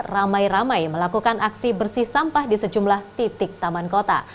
ramai ramai melakukan aksi bersih sampah di sejumlah titik taman kota